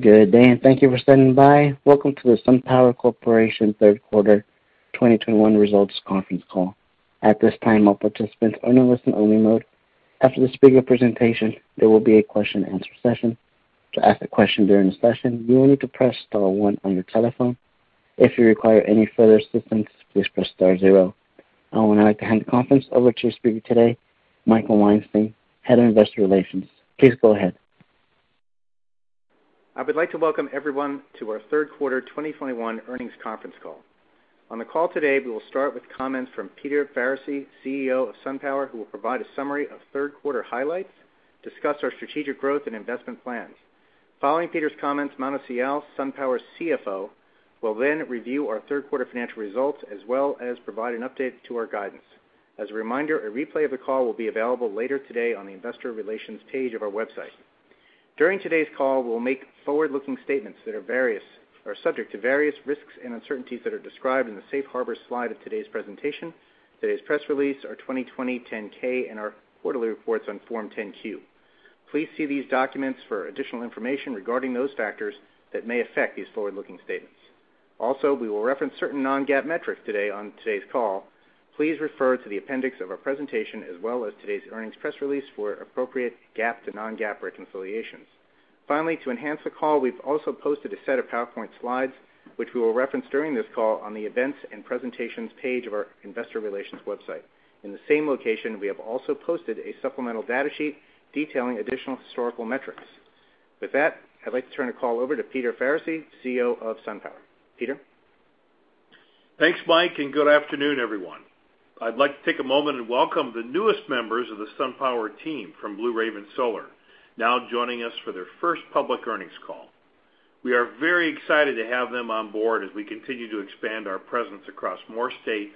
Good day and thank you for standing by. Welcome to the SunPower Corporation Q3 2021 results conference call. At this time, all participants are in a listen only mode. After the speaker presentation, there will be a question-and-answer session. To ask a question during the session, you will need to press star one on your telephone. If you require any further assistance, please press star zero. I would like to hand the conference over to your speaker today, Michael Weinstein, Head of Investor Relations. Please go ahead. I would like to welcome everyone to our Q3 2021 earnings conference call. On the call today, we will start with comments from Peter Faricy, CEO of SunPower, who will provide a summary of Q3 highlights, discuss our strategic growth and investment plans. Following Peter's comments, Manu Sial, SunPower's CFO, will then review our Q3 financial results, as well as provide an update to our guidance. As a reminder, a replay of the call will be available later today on the investor relations page of our website. During today's call, we'll make forward-looking statements that are subject to various risks and uncertainties that are described in the Safe Harbor slide of today's presentation, today's press release, our 2020 10-K, and our quarterly reports on Form 10-Q. Please see these documents for additional information regarding those factors that may affect these forward-looking statements. Also, we will reference certain non-GAAP metrics today on today's call. Please refer to the appendix of our presentation as well as today's earnings press release for appropriate GAAP to non-GAAP reconciliations. Finally, to enhance the call, we've also posted a set of PowerPoint slides, which we will reference during this call on the events and presentations page of our investor relations website. In the same location, we have also posted a supplemental data sheet detailing additional historical metrics. With that, I'd like to turn the call over to Peter Faricy, CEO of SunPower. Peter. Thanks, Mike, and good afternoon, everyone. I'd like to take a moment and welcome the newest members of the SunPower team from Blue Raven Solar, now joining us for their first public earnings call. We are very excited to have them on board as we continue to expand our presence across more states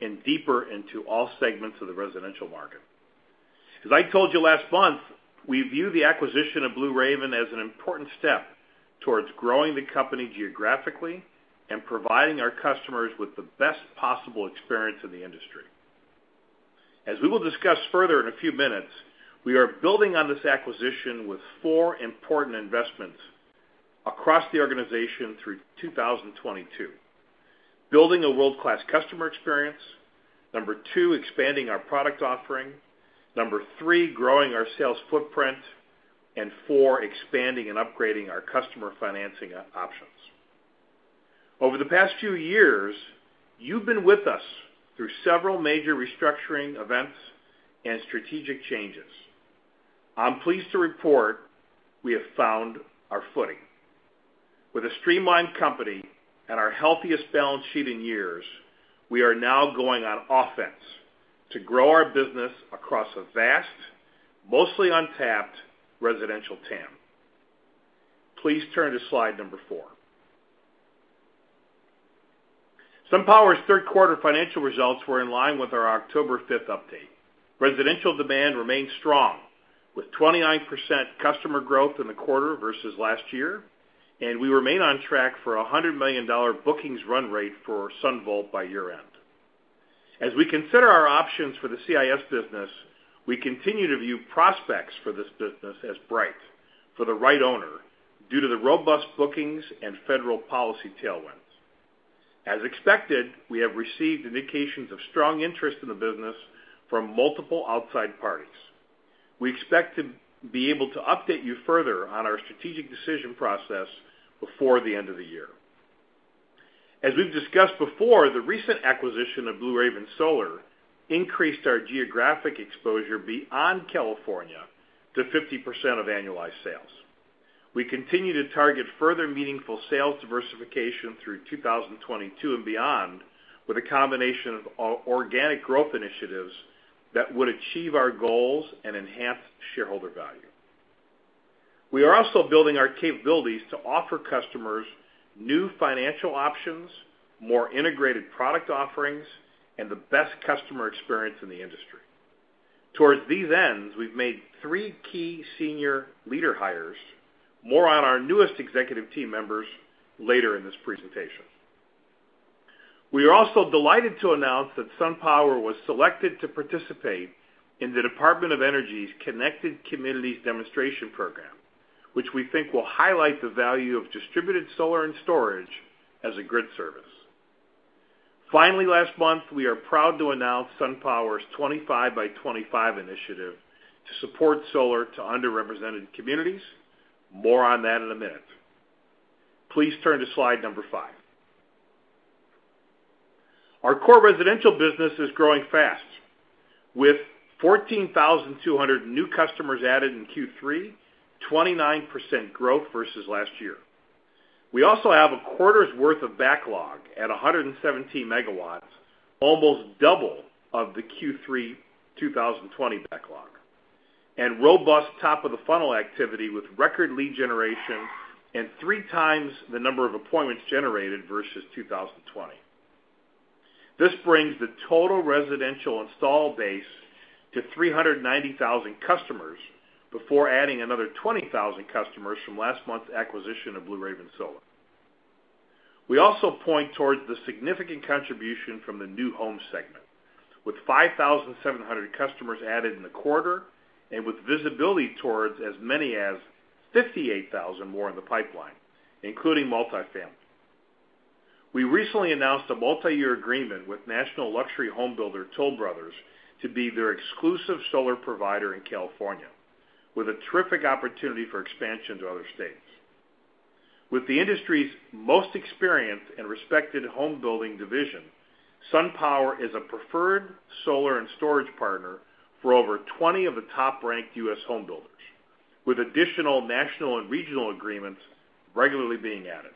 and deeper into all segments of the residential market. As I told you last month, we view the acquisition of Blue Raven as an important step towards growing the company geographically and providing our customers with the best possible experience in the industry. As we will discuss further in a few minutes, we are building on this acquisition with four important investments across the organization through 2022. Building a world-class customer experience. Number two, expanding our product offering. Number three, growing our sales footprint. And four, expanding and upgrading our customer financing options. Over the past few years, you've been with us through several major restructuring events and strategic changes. I'm pleased to report we have found our footing. With a streamlined company and our healthiest balance sheet in years, we are now going on offense to grow our business across a vast, mostly untapped residential TAM. Please turn to slide four. SunPower's Q3 financial results were in line with our October 5th update. Residential demand remains strong with 29% customer growth in the quarter versus last year, and we remain on track for a $100 million bookings run rate for Sun Vault by year-end. As we consider our options for the C&I Solutions business, we continue to view prospects for this business as bright for the right owner due to the robust bookings and federal policy tailwinds. As expected, we have received indications of strong interest in the business from multiple outside parties. We expect to be able to update you further on our strategic decision process before the end of the year. As we've discussed before, the recent acquisition of Blue Raven Solar increased our geographic exposure beyond California to 50% of annualized sales. We continue to target further meaningful sales diversification through 2022 and beyond with a combination of organic growth initiatives that would achieve our goals and enhance shareholder value. We are also building our capabilities to offer customers new financial options, more integrated product offerings, and the best customer experience in the industry. Toward these ends, we've made three key senior leader hires. More on our newest executive team members later in this presentation. We are also delighted to announce that SunPower was selected to participate in the Department of Energy's Connected Communities Demonstration Program, which we think will highlight the value of distributed solar and storage as a grid service. Finally, last month, we are proud to announce SunPower's 25 by 25 initiative to support solar to underrepresented communities. More on that in a minute. Please turn to slide number five. Our core residential business is growing fast, with 14,200 new customers added in Q3, 29% growth versus last year. We also have a quarter's worth of backlog at 117 MW, almost double of the Q3 2020 backlog. Robust top of the funnel activity with record lead generation and three times the number of appointments generated versus 2020. This brings the total residential install base to 390,000 customers before adding another 20,000 customers from last month's acquisition of Blue Raven Solar. We also point towards the significant contribution from the new home segment, with 5,700 customers added in the quarter and with visibility towards as many as 58,000 more in the pipeline, including multifamily. We recently announced a multiyear agreement with national luxury home builder Toll Brothers to be their exclusive solar provider in California, with a terrific opportunity for expansion to other states. With the industry's most experienced and respected home building division, SunPower is a preferred solar and storage partner for over 20 of the top-ranked U.S. home builders, with additional national and regional agreements regularly being added.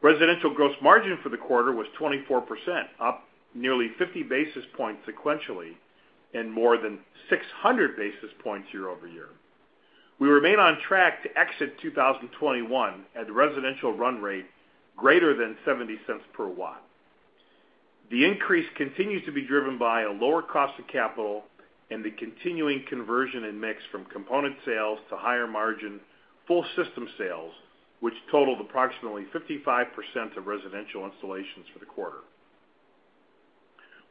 Residential gross margin for the quarter was 24%, up nearly 50 basis points sequentially and more than 600 basis points year over year. We remain on track to exit 2021 at the residential run rate greater than 70 cents per watt. The increase continues to be driven by a lower cost of capital and the continuing conversion and mix from component sales to higher margin full system sales, which totaled approximately 55% of residential installations for the quarter.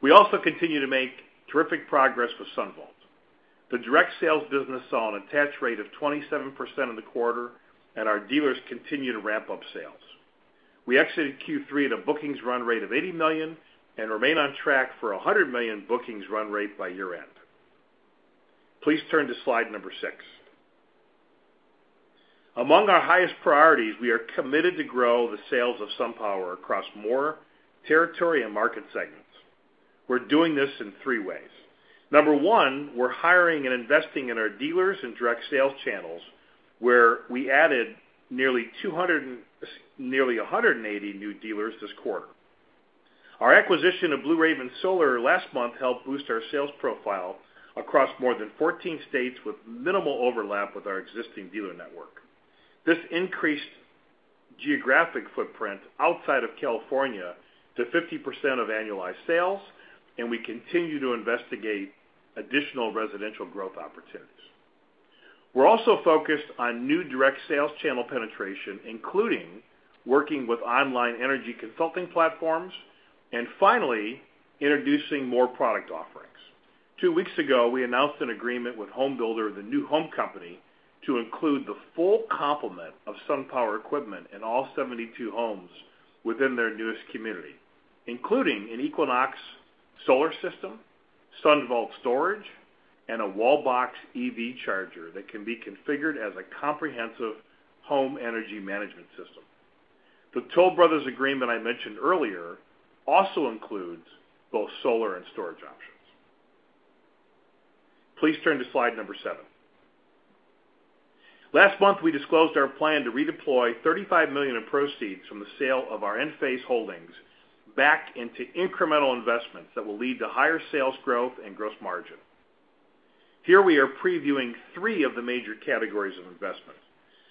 We also continue to make terrific progress with SunVault. The direct sales business saw an attach rate of 27% in the quarter, and our dealers continue to ramp up sales. We exited Q3 at bookings run rate of $80 million and remain on track for a $100 million bookings run rate by year-end. Please turn to slide six. Among our highest priorities, we are committed to grow the sales of SunPower across more territory and market segments. We're doing this in three ways. Number one, we're hiring and investing in our dealers and direct sales channels, where we added nearly 180 new dealers this quarter. Our acquisition of Blue Raven Solar last month helped boost our sales profile across more than 14 states with minimal overlap with our existing dealer network. This increased geographic footprint outside of California to 50% of annualized sales, and we continue to investigate additional residential growth opportunities. We're also focused on new direct sales channel penetration, including working with online energy consulting platforms, and finally, introducing more product offerings. Two weeks ago, we announced an agreement with home builder The New Home Company to include the full complement of SunPower equipment in all 72 homes within their newest community, including an Equinox solar system, SunVault storage, and a Wallbox EV charger that can be configured as a comprehensive home energy management system. The Toll Brothers agreement I mentioned earlier also includes both solar and storage options. Please turn to slide number seven. Last month, we disclosed our plan to redeploy $35 million in proceeds from the sale of our Enphase holdings back into incremental investments that will lead to higher sales growth and gross margin. Here we are previewing three of the major categories of investments.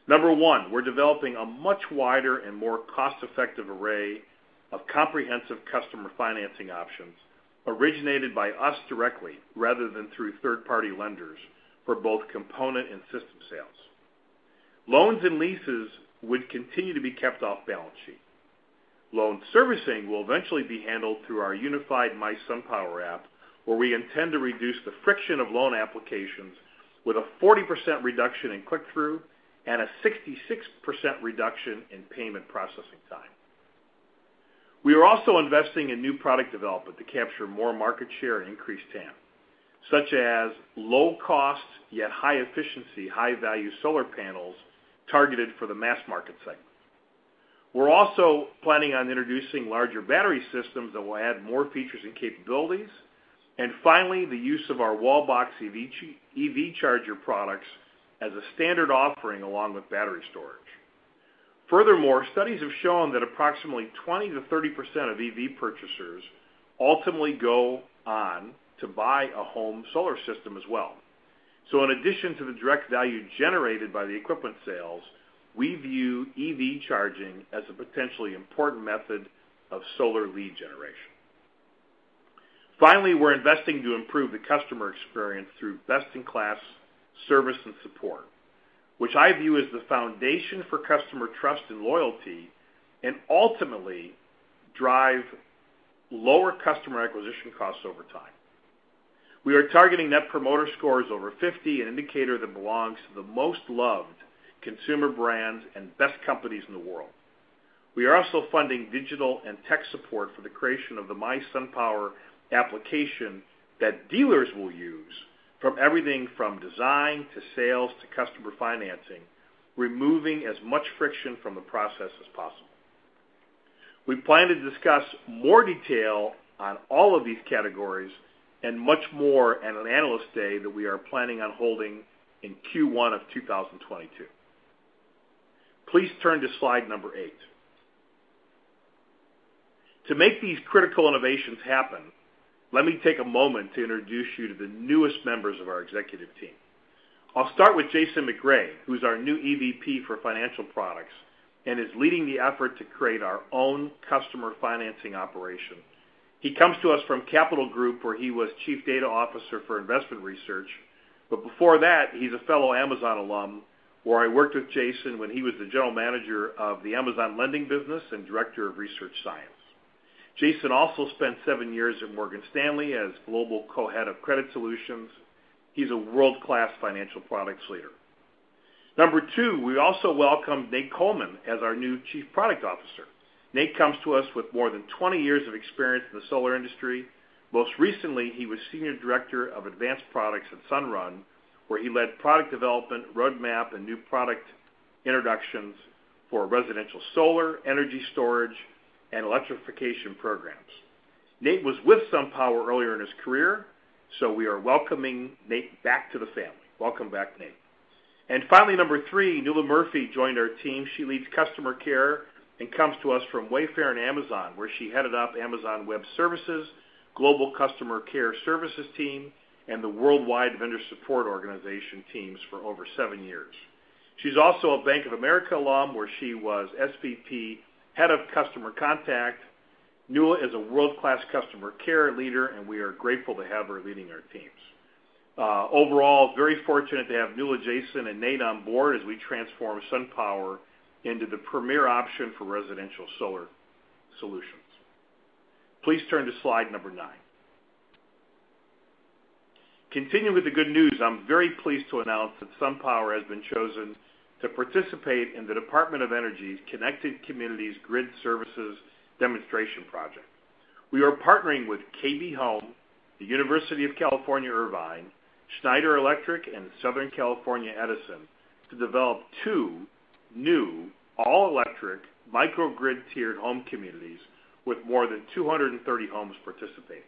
Number one, we're developing a much wider and more cost-effective array of comprehensive customer financing options originated by us directly rather than through third-party lenders for both component and system sales. Loans and leases would continue to be kept off balance sheet. Loan servicing will eventually be handled through our unified mySunPower app, where we intend to reduce the friction of loan applications with a 40% reduction in click-through and a 66% reduction in payment processing time. We are also investing in new product development to capture more market share and increase TAM, such as low cost, yet high efficiency, high-value solar panels targeted for the mass market segment. We're also planning on introducing larger battery systems that will add more features and capabilities, and finally, the use of our Wallbox EV charger products as a standard offering along with battery storage. Furthermore, studies have shown that approximately 20%-30% of EV purchasers ultimately go on to buy a home solar system as well. In addition to the direct value generated by the equipment sales, we view EV charging as a potentially important method of solar lead generation. Finally, we're investing to improve the customer experience through best-in-class service and support, which I view as the foundation for customer trust and loyalty and ultimately drive lower customer acquisition costs over time. We are targeting Net Promoter Scores over 50, an indicator that belongs to the most loved consumer brands and best companies in the world. We are also funding digital and tech support for the creation of the mySunPower application that dealers will use for everything from design to sales to customer financing, removing as much friction from the process as possible. We plan to discuss more detail on all of these categories and much more at an Analyst Day that we are planning on holding in Q1 of 2022. Please turn to slide number eight. To make these critical innovations happen, let me take a moment to introduce you to the newest members of our executive team. I'll start with Jason MacRae, who's our new EVP for Financial Products and is leading the effort to create our own customer financing operation. He comes to us from Capital Group, where he was Chief Data Officer for investment research. Before that, he's a fellow Amazon alum, where I worked with Jason when he was the General Manager of the Amazon Lending Business and Director of Research Science. Jason also spent seven years at Morgan Stanley as Global Co-Head of Credit Solutions. He's a world-class financial products leader. Number two, we also welcome Nate Coleman as our new Chief Product Officer. Nate comes to us with more than 20 years of experience in the solar industry. Most recently, he was Senior Director of Advanced Products at Sunrun, where he led product development, roadmap, and new product introductions for residential solar, energy storage, and electrification programs. Nate was with SunPower earlier in his career, so we are welcoming Nate back to the family. Welcome back, Nate. Finally, number three, Nuala Murphy joined our team. She leads customer care and comes to us from Wayfair and Amazon, where she headed up Amazon Web Services, Global Customer Care Services team, and the worldwide vendor support organization teams for over seven years. She's also a Bank of America alum, where she was SVP, Head of Customer Contact. Nuala is a world-class customer care leader, and we are grateful to have her leading our teams. Overall, very fortunate to have Nuala, Jason, and Nate on board as we transform SunPower into the premier option for residential solar solutions. Please turn to slide nine. Continuing with the good news, I'm very pleased to announce that SunPower has been chosen to participate in the Department of Energy's Connected Communities Grid Services demonstration project. We are partnering with KB Home, the University of California, Irvine, Schneider Electric, and Southern California Edison to develop two new all-electric microgrid-tiered home communities with more than 230 homes participating.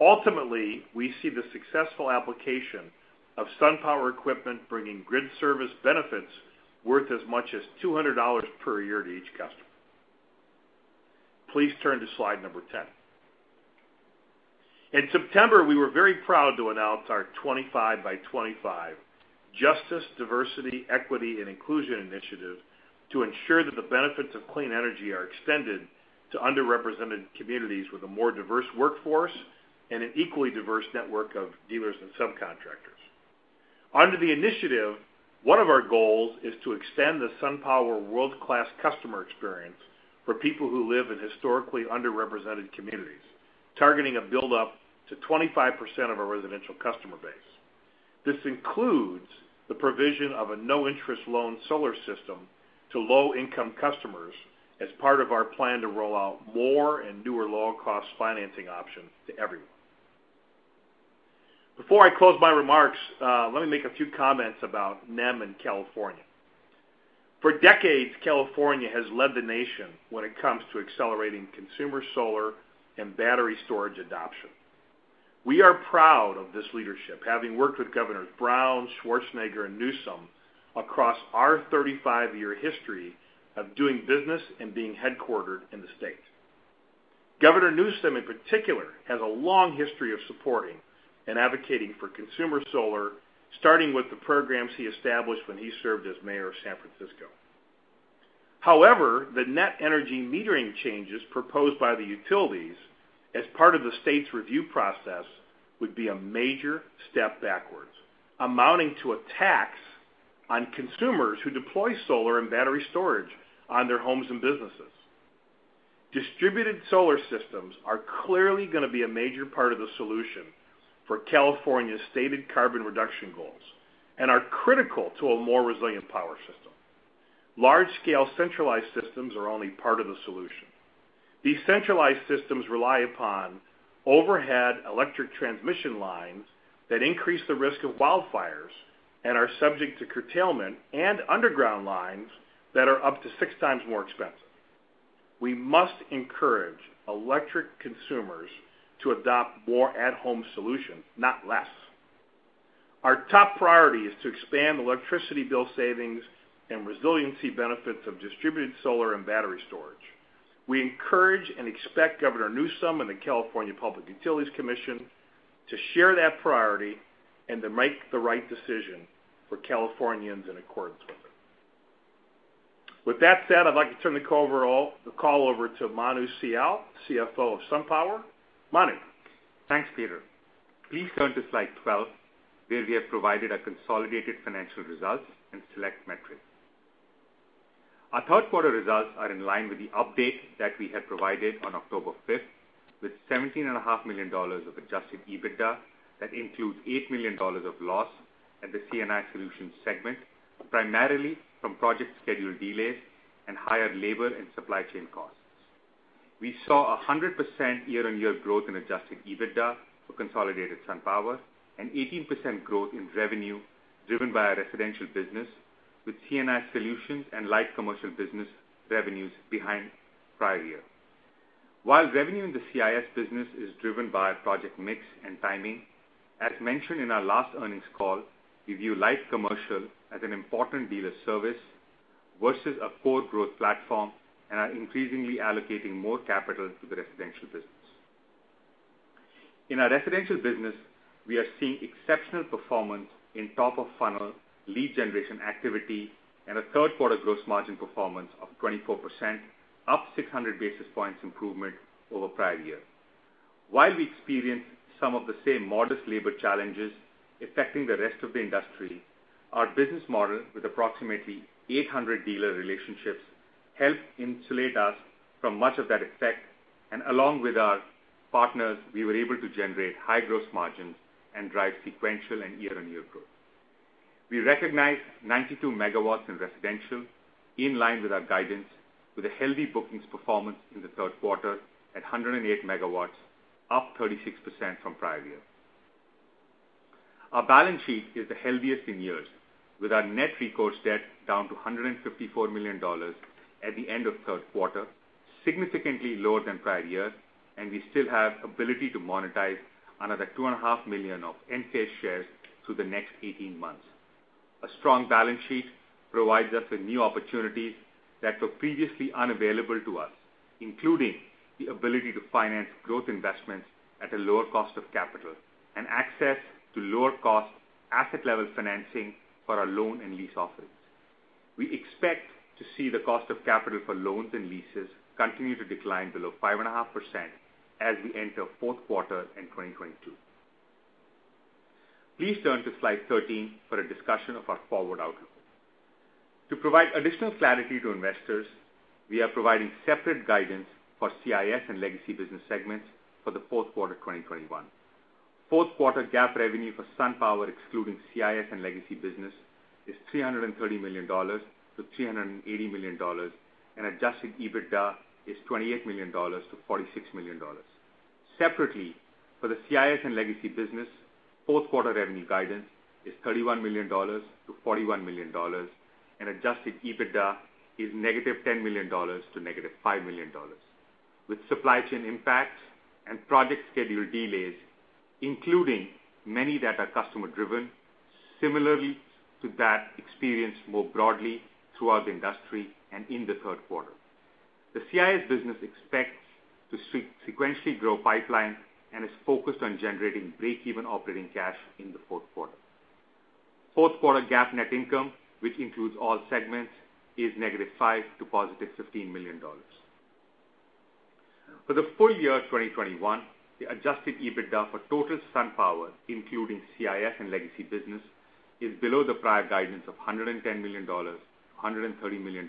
Ultimately, we see the successful application of SunPower equipment bringing grid service benefits worth as much as $200 per year to each customer. Please turn to slide 10. In September, we were very proud to announce our 25 by 25 Justice, Diversity, Equity, and Inclusion initiative to ensure that the benefits of clean energy are extended to underrepresented communities with a more diverse workforce and an equally diverse network of dealers and subcontractors. Under the initiative, one of our goals is to extend the SunPower world-class customer experience for people who live in historically underrepresented communities, targeting a build up to 25% of our residential customer base. This includes the provision of a no-interest loan solar system to low-income customers as part of our plan to roll out more and newer low-cost financing options to everyone. Before I close my remarks, let me make a few comments about NEM in California. For decades, California has led the nation when it comes to accelerating consumer solar and battery storage adoption. We are proud of this leadership, having worked with Governors Brown, Schwarzenegger, and Newsom across our 35-year history of doing business and being headquartered in the state. Governor Newsom, in particular, has a long history of supporting and advocating for consumer solar, starting with the programs he established when he served as mayor of San Francisco. However, the net energy metering changes proposed by the utilities as part of the state's review process would be a major step backwards, amounting to a tax on consumers who deploy solar and battery storage on their homes and businesses. Distributed solar systems are clearly going to be a major part of the solution for California's stated carbon reduction goals and are critical to a more resilient power system. Large-scale centralized systems are only part of the solution. These centralized systems rely upon overhead electric transmission lines that increase the risk of wildfires and are subject to curtailment and underground lines that are up to six times more expensive. We must encourage electric consumers to adopt more at-home solutions, not less. Our top priority is to expand electricity bill savings and resiliency benefits of distributed solar and battery storage. We encourage and expect Governor Newsom and the California Public Utilities Commission to share that priority and to make the right decision for Californians in accordance with it. With that said, I'd like to turn the call over to Manu Sial, CFO of SunPower. Manu? Thanks, Peter. Please turn to slide 12, where we have provided our consolidated financial results and select metrics. Our Q3 results are in line with the update that we had provided on October fifth, with 17 and a half million dollars of adjusted EBITDA. That includes $8 million of loss at the C&I Solutions segment, primarily from project schedule delays and higher labor and supply chain costs. We saw 100% year-on-year growth in adjusted EBITDA for consolidated SunPower, and 18% growth in revenue driven by our residential business, with C&I Solutions and light commercial business revenues behind prior year. While revenue in the C&I business is driven by project mix and timing, as mentioned in our last earnings call, we view light commercial as an important dealer service versus a core growth platform, and are increasingly allocating more capital to the residential business. In our residential business, we are seeing exceptional performance in top of funnel lead generation activity and a Q3 gross margin performance of 24%, up 600-basis points improvement over prior year. While we experienced some of the same modest labor challenges affecting the rest of the industry, our business model, with approximately 800 dealer relationships, helped insulate us from much of that effect, and along with our partners, we were able to generate high gross margins and drive sequential and year-on-year growth. We recognized 92 MW in residential, in line with our guidance, with a healthy bookings performance in the Q3 at 108 MW, up 36% from prior year. Our balance sheet is the healthiest in years, with our net recourse debt down to $154 million at the end of Q3, significantly lower than prior years, and we still have ability to monetize another 2.5 million Enphase shares through the next 18 months. A strong balance sheet provides us with new opportunities that were previously unavailable to us, including the ability to finance growth investments at a lower cost of capital and access to lower cost asset-level financing for our loan and lease offerings. We expect to see the cost of capital for loans and leases continue to decline below 5.5% as we enter Q4 in 2022. Please turn to slide 13 for a discussion of our forward outlook. To provide additional clarity to investors, we are providing separate guidance for CIS and legacy business segments for the Q4 2021. Q4 GAAP revenue for SunPower, excluding CIS and legacy business, is $330-$380 million, and adjusted EBITDA is $28-$46 million. Separately, for the CIS and legacy business, Q4 revenue guidance is $31-$41 million, and adjusted EBITDA is -$10-$5 million, with supply chain impacts and project schedule delays, including many that are customer driven similarly to that experienced more broadly throughout the industry and in the Q3. The CIS business expects to sequentially grow pipeline and is focused on generating breakeven operating cash in the Q4. Q4 GAAP net income, which includes all segments, is -$5-$15 million. For the full year 2021, the adjusted EBITDA for total SunPower, including CIS and legacy business, is below the prior guidance of $110-$130 million,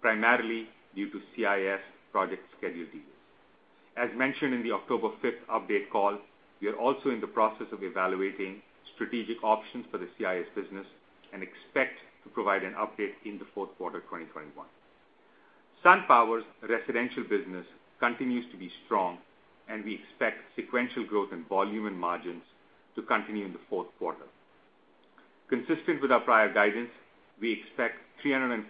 primarily due to CIS project schedule delays. As mentioned in the October fifth update call, we are also in the process of evaluating strategic options for the C&I business and expect to provide an update in the Q4 2021. SunPower's residential business continues to be strong, and we expect sequential growth in volume and margins to continue in the Q4. Consistent with our prior guidance, we expect 345-375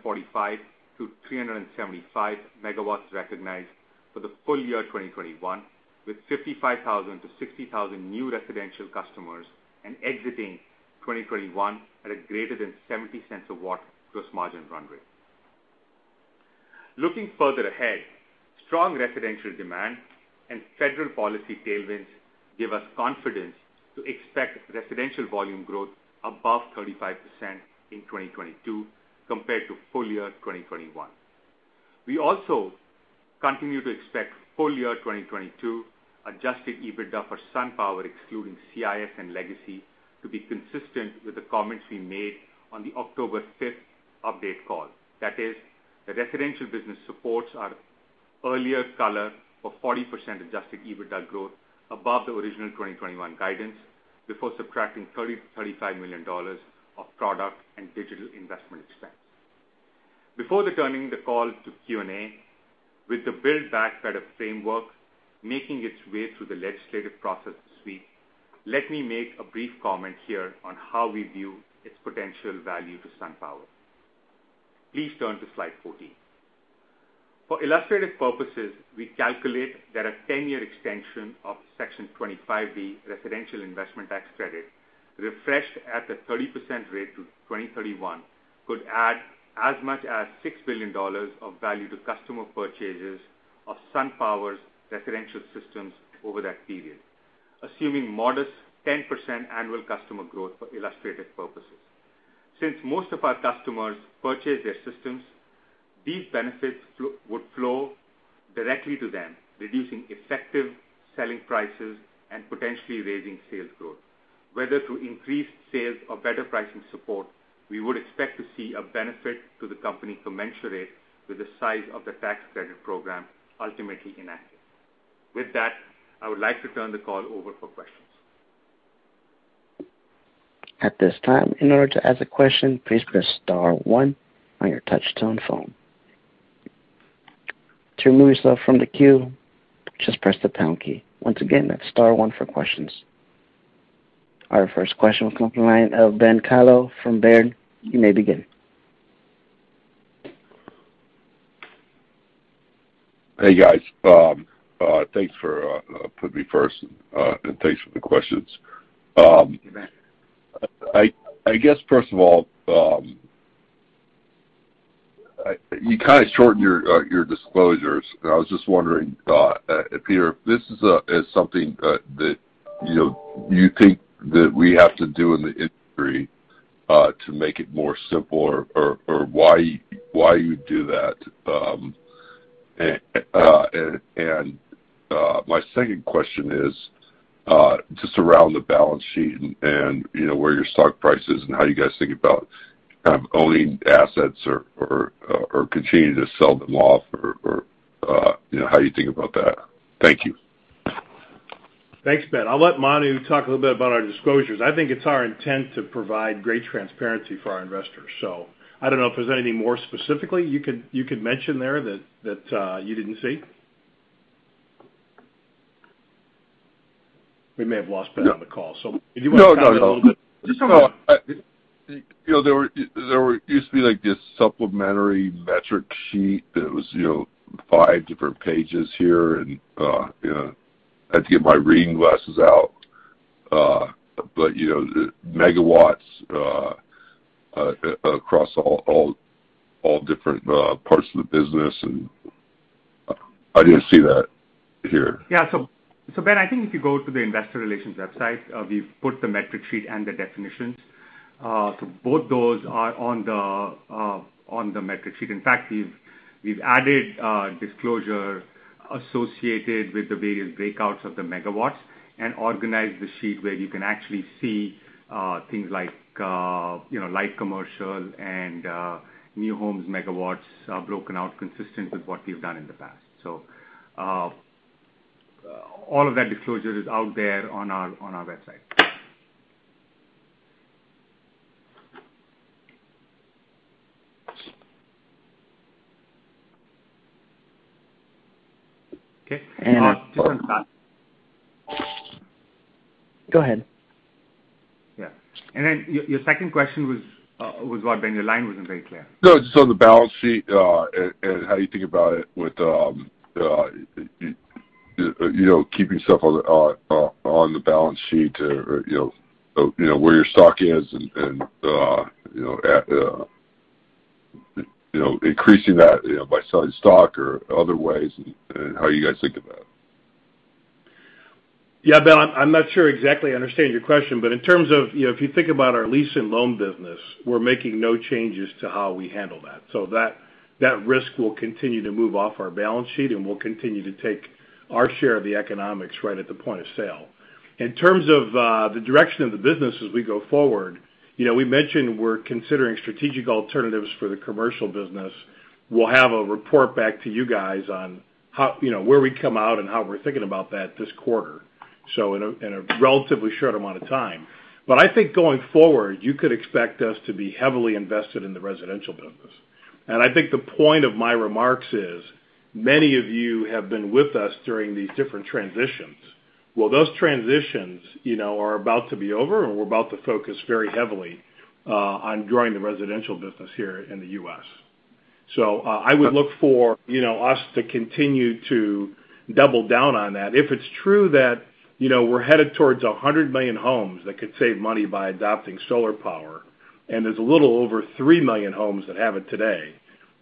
MW recognized for the full year 2021, with 55,000-60,000 new residential customers, and exiting 2021 at a greater than $0.70 a watt gross margin run rate. Looking further ahead, strong residential demand and federal policy tailwinds give us confidence to expect residential volume growth above 35% in 2022 compared to full year 2021. We also continue to expect full year 2022 adjusted EBITDA for SunPower, excluding CIS and legacy, to be consistent with the comments we made on the October fifth update call. That is, the residential business supports our earlier color of 40% adjusted EBITDA growth above the original 2021 guidance, before subtracting $30-$35 million of product and digital investment expense. Before returning the call to Q&A, with the Build Back Better framework making its way through the legislative process this week, let me make a brief comment here on how we view its potential value to SunPower. Please turn to slide 14. For illustrative purposes, we calculate that a 10-year extension of Section 25D residential investment tax credit, refreshed at the 30% rate to 2031, could add as much as $6 billion of value to customer purchases of SunPower's residential systems over that period, assuming modest 10% annual customer growth for illustrative purposes. Since most of our customers purchase their systems, these benefits would flow directly to them, reducing effective selling prices and potentially raising sales growth. Whether through increased sales or better pricing support, we would expect to see a benefit to the company commensurate with the size of the tax credit program ultimately enacted. With that, I would like to turn the call over for questions. At this time, in order to ask a question, please press star one on your touch-tone phone. To remove yourself from the queue, just press the pound key. Once again, that's star one for questions. Our first question will come from the line of Ben Kallo from Baird. You may begin. Hey, guys. Thanks for putting me first, and thanks for the questions. You bet. I guess first of all, you kind of shortened your disclosures, and I was just wondering, Peter, if this is something that you know you think that we have to do in the industry to make it more simple or why you do that? My second question is just around the balance sheet and you know where your stock price is and how you guys think about kind of owning assets or continuing to sell them off or you know how you think about that. Thank you. Thanks, Ben. I'll let Manu talk a little bit about our disclosures. I think it's our intent to provide great transparency for our investors. I don't know if there's anything more specifically you could mention there that you didn't see. We may have lost Ben on the call, so if you want to talk a little bit. No, no. You know, there were used to be like this supplementary metric sheet that was, you know, five different pages here and, I had to get my reading glasses out. But, you know, megawatts across all different parts of the business, and I didn't see that here. Yeah. Ben, I think if you go to the investor relations website, we've put the metric sheet and the definitions. Both those are on the metric sheet. In fact, we've added disclosure associated with the various breakouts of the megawatts and organized the sheet where you can actually see things like, you know, light commercial and new homes megawatts, broken out consistent with what we've done in the past. All of that disclosure is out there on our website. Okay. And, uh- Just one second. Go ahead. Yeah. Then your second question was what, Ben? Your line wasn't very clear. No, just on the balance sheet and how you think about it with, you know, keeping stuff on the balance sheet or, you know, where your stock is and, you know, at, you know, increasing that, you know, by selling stock or other ways and how you guys think of that. Yeah. Ben, I'm not sure I exactly understand your question, but in terms of, you know, if you think about our lease and loan business, we're making no changes to how we handle that. That risk will continue to move off our balance sheet, and we'll continue to take our share of the economics right at the point of sale. In terms of, the direction of the business as we go forward, you know, we mentioned we're considering strategic alternatives for the commercial business. We'll have a report back to you guys on how, you know, where we come out and how we're thinking about that this quarter, so in a relatively short amount of time. I think going forward, you could expect us to be heavily invested in the residential business. I think the point of my remarks is many of you have been with us during these different transitions. Well, those transitions, you know, are about to be over, and we're about to focus very heavily on growing the residential business here in the U.S. I would look for, you know, us to continue to double down on that. If it's true that, you know, we're headed towards 100 million homes that could save money by adopting solar power, and there's a little over 3 million homes that have it today,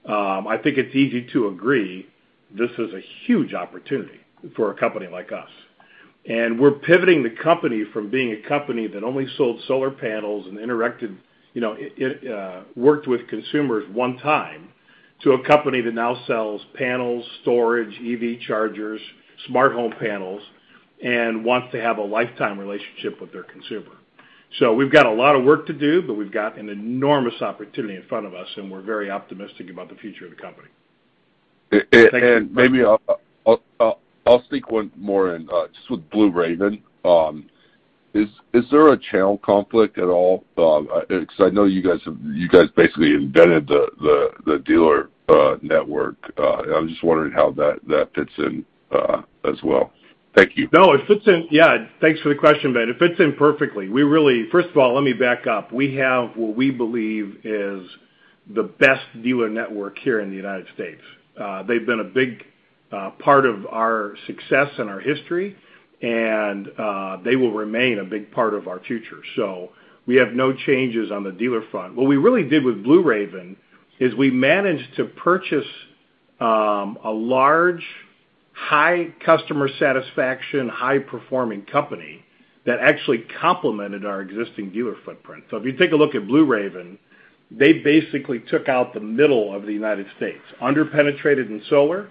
I think it's easy to agree this is a huge opportunity for a company like us. We're pivoting the company from being a company that only sold solar panels and worked with consumers one time to a company that now sells panels, storage, EV chargers, smart home panels, and wants to have a lifetime relationship with their consumer. We've got a lot of work to do, but we've got an enormous opportunity in front of us, and we're very optimistic about the future of the company. Maybe I'll speak one more in just with Blue Raven. Is there a channel conflict at all? Because I know you guys basically invented the dealer network. I'm just wondering how that fits in as well. Thank you. No, it fits in. Yeah, thanks for the question, Ben. It fits in perfectly. We really. First of all, let me back up. We have what we believe is the best dealer network here in the United States. They've been a big part of our success and our history, and they will remain a big part of our future. We have no changes on the dealer front. What we really did with Blue Raven is we managed to purchase a large, high customer satisfaction, high-performing company that actually complemented our existing dealer footprint. If you take a look at Blue Raven, they basically took out the middle of the United States, under-penetrated in solar,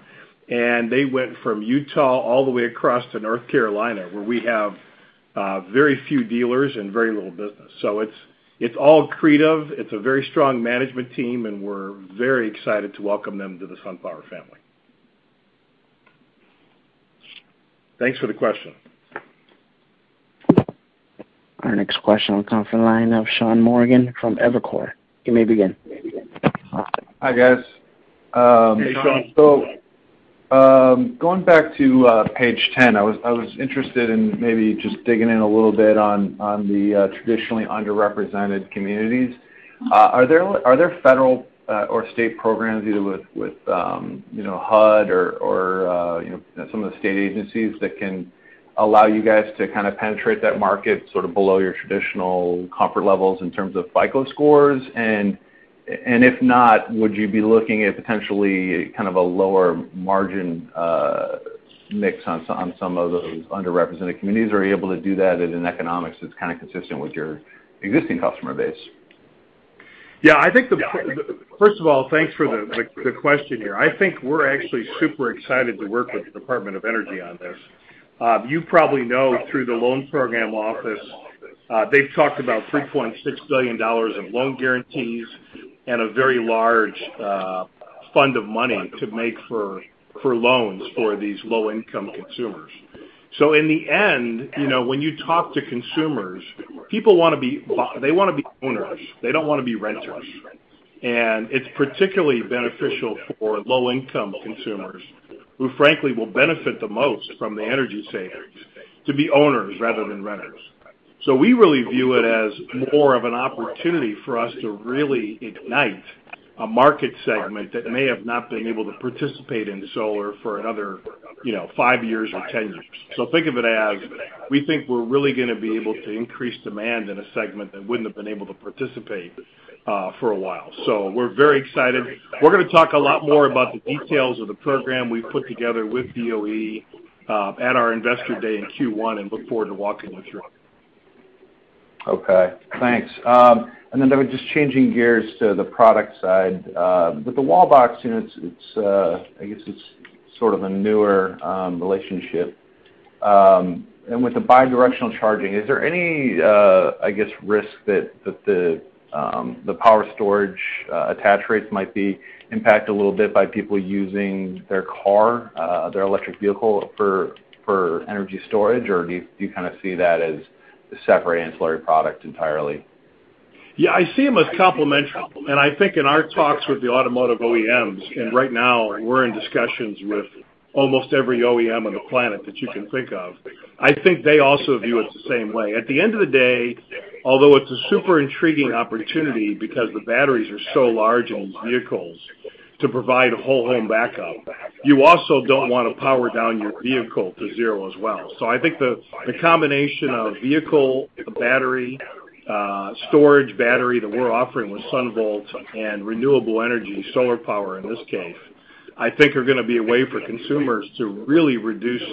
and they went from Utah all the way across to North Carolina, where we have very few dealers and very little business. It's all accretive. It's a very strong management team, and we're very excited to welcome them to the SunPower family. Thanks for the question. Our next question will come from the line of Sean Morgan from Evercore. You may begin. Hi, guys. Hey, Sean. Going back to page ten, I was interested in maybe just digging in a little bit on the traditionally underrepresented communities. Are there federal or state programs either with you know, HUD or you know, some of the state agencies that can allow you guys to kind of penetrate that market sort of below your traditional comfort levels in terms of FICO scores? And if not, would you be looking at potentially kind of a lower margin mix on some of those underrepresented communities. Are you able to do that at an economics that's kind of consistent with your existing customer base? Yeah, I think. Yeah. First of all, thanks for the question here. I think we're actually super excited to work with the Department of Energy on this. You probably know through the loan program office, they've talked about $3.6 billion in loan guarantees and a very large fund of money to make for loans for these low-income consumers. In the end, you know, when you talk to consumers, people want to be owners, they don't want to be renters. It's particularly beneficial for low-income consumers who frankly will benefit the most from the energy savings to be owners rather than renters. We really view it as more of an opportunity for us to really ignite a market segment that may have not been able to participate in solar for another, you know, 5 years or 10 years. Think of it as we think we're really going to be able to increase demand in a segment that wouldn't have been able to participate for a while. We're very excited. We're going to talk a lot more about the details of the program we've put together with DOE at our investor day in Q1 and look forward to walking you through it. Okay. Thanks. Just changing gears to the product side. With the Wallbox unit, it's a newer relationship. With the bi-directional charging, is there any risk that the power storage attach rates might be impacted a little bit by people using their car, their electric vehicle for energy storage? Or do you kind of see that as a separate ancillary product entirely? Yeah, I see them as complementary. I think in our talks with the automotive OEMs, and right now we're in discussions with almost every OEM on the planet that you can think of, I think they also view it the same way. At the end of the day, although it's a super intriguing opportunity because the batteries are so large in these vehicles to provide whole home backup, you also don't want to power down your vehicle to zero as well. I think the combination of vehicle battery, storage battery that we're offering with SunVault and renewable energy, solar power in this case, I think are going to be a way for consumers to really reduce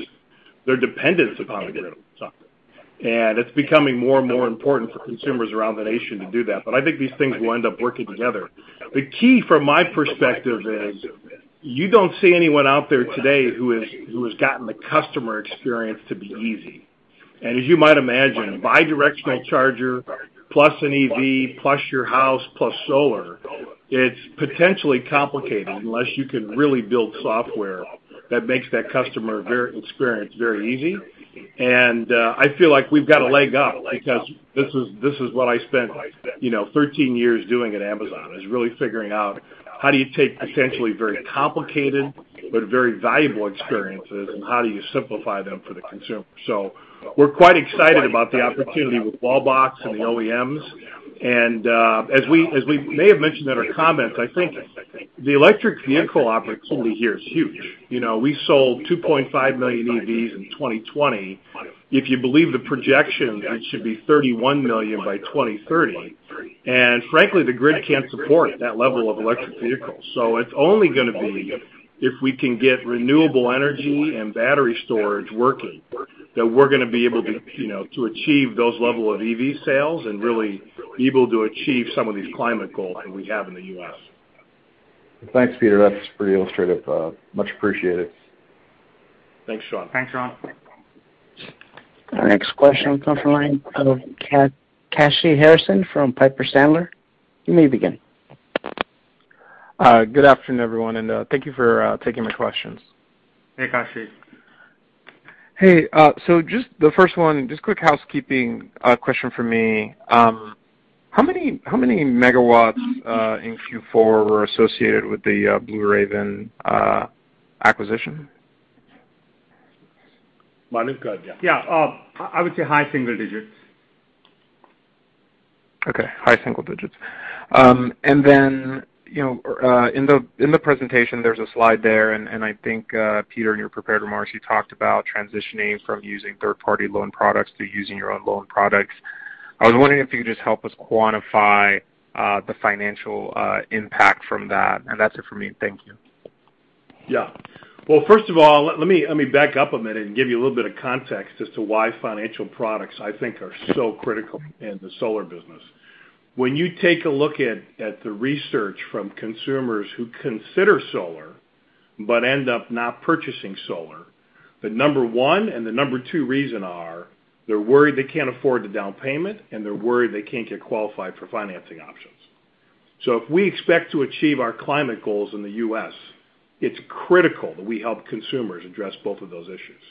their dependence upon the grid. It's becoming more and more important for consumers around the nation to do that, but I think these things will end up working together. The key from my perspective is you don't see anyone out there today who has gotten the customer experience to be easy. As you might imagine, bidirectional charger plus an EV, plus your house, plus solar, it's potentially complicated unless you can really build software that makes that customer experience very easy. I feel like we've got a leg up because this is what I spent, you know, 13 years doing at Amazon, is really figuring out how do you take potentially very complicated but very valuable experiences and how do you simplify them for the consumer. We're quite excited about the opportunity with Wallbox and the OEMs. As we may have mentioned in our comments, I think the electric vehicle opportunity here is huge. You know, we sold 2.5 million EVs in 2020. If you believe the projections, it should be 31 million by 2030. Frankly, the grid can't support that level of electric vehicles. It's only going to be if we can get renewable energy and battery storage working that we're going to be able to, you know, to achieve those level of EV sales and really able to achieve some of these climate goals that we have in the U.S. Thanks, Peter. That's pretty illustrative. Much appreciated. Thanks, Sean. Thanks, Sean. Our next question comes from the line of Kashy Harrison from Piper Sandler. You may begin. Good afternoon, everyone, and thank you for taking my questions. Hey, Kashy. Hey. Just the first one, just quick housekeeping question for me. How many megawatts in Q4 were associated with the Blue Raven acquisition? Manu's got it, yeah. Yeah. I would say high single digits. Okay. High single digits. Then, you know, in the presentation, there's a slide there, and I think, Peter, in your prepared remarks, you talked about transitioning from using third-party loan products to using your own loan products. I was wondering if you could just help us quantify the financial impact from that. That's it for me. Thank you. Yeah. Well, first of all, let me back up a minute and give you a little bit of context as to why financial products, I think, are so critical in the solar business. When you take a look at the research from consumers who consider solar but end up not purchasing solar, the number one and the number two reason are they're worried they can't afford the down payment, and they're worried they can't get qualified for financing options. If we expect to achieve our climate goals in the U.S., it's critical that we help consumers address both of those issues.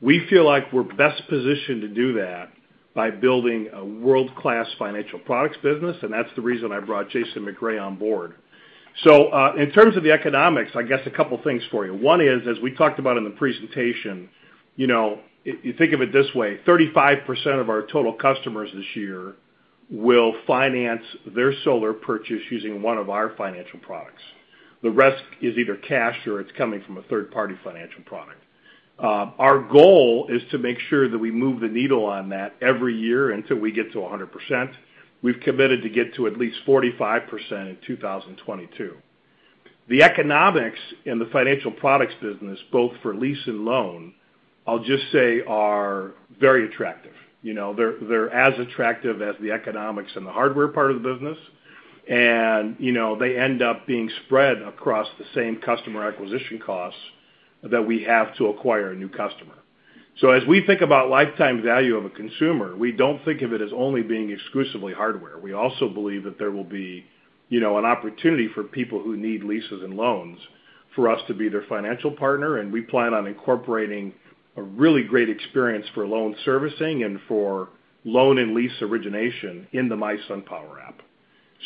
We feel like we're best positioned to do that by building a world-class financial products business, and that's the reason I brought Jason MacRae on board. In terms of the economics, I guess a couple things for you. One is, as we talked about in the presentation, you know, if you think of it this way, 35% of our total customers this year will finance their solar purchase using one of our financial products. The rest is either cash or it's coming from a third-party financial product. Our goal is to make sure that we move the needle on that every year until we get to 100%. We've committed to get to at least 45% in 2022. The economics in the financial products business, both for lease and loan, I'll just say are very attractive. You know, they're as attractive as the economics in the hardware part of the business. You know, they end up being spread across the same customer acquisition costs that we have to acquire a new customer. As we think about lifetime value of a consumer, we don't think of it as only being exclusively hardware. We also believe that there will be, you know, an opportunity for people who need leases and loans for us to be their financial partner, and we plan on incorporating a really great experience for loan servicing and for loan and lease origination in the mySunPower app.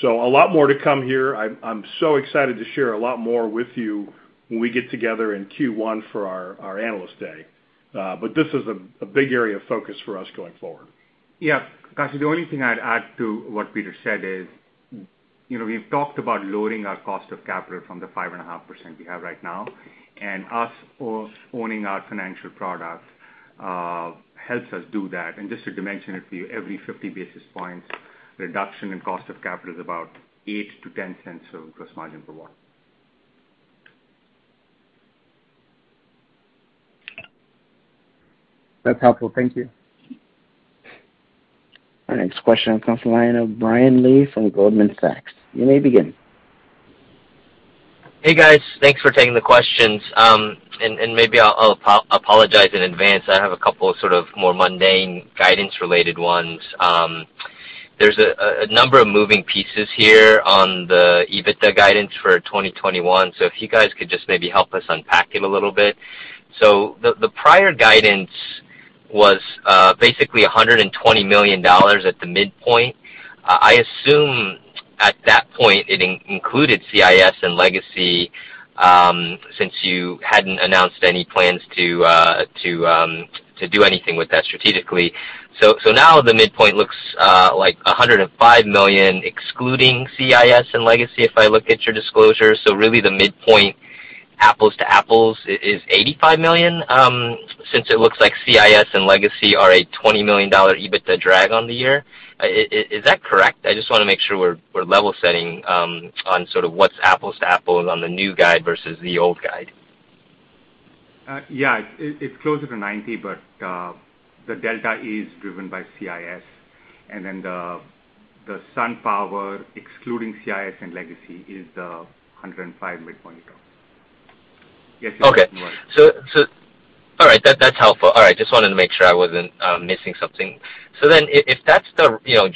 A lot more to come here. I'm so excited to share a lot more with you when we get together in Q1 for our Analyst Day. This is a big area of focus for us going forward. Kashy, the only thing I'd add to what Peter said is, you know, we've talked about lowering our cost of capital from the 5.5% we have right now, and us owning our financial products helps us do that. Just to dimension it for you, every 50-basis points reduction in cost of capital is about $0.08-$0.10 of gross margin per watt. That's helpful. Thank you. Our next question comes from the line of Brian Lee from Goldman Sachs. You may begin. Hey, guys. Thanks for taking the questions. Maybe I'll apologize in advance. I have a couple sort of more mundane guidance-related ones. There's a number of moving pieces here on the EBITDA guidance for 2021, so if you guys could just maybe help us unpack it a little bit. The prior guidance was basically $120 million at the midpoint. I assume at that point it included CIS and Legacy, since you hadn't announced any plans to do anything with that strategically. Now the midpoint looks like $105 million, excluding CIS and Legacy, if I look at your disclosure. Really the midpoint apples to apples is $85 million, since it looks like CIS and Legacy are a $20 million EBITDA drag on the year. Is that correct? I just want to make sure we're level setting on sort of what's apples to apples on the new guide versus the old guide. Yeah, it's closer to 90, but the delta is driven by CIS, and then SunPower, excluding CIS and Legacy, is the 105 midpoint you got. Okay. All right. That's helpful. All right. Just wanted to make sure I wasn't missing something. If that's